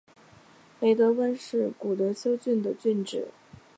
雷德温是古德休郡的郡治。